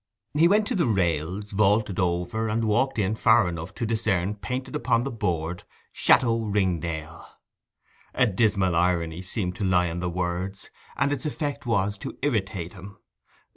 He went to the rails, vaulted over, and walked in far enough to discern painted upon the board 'Château Ringdale.' A dismal irony seemed to lie in the words, and its effect was to irritate him.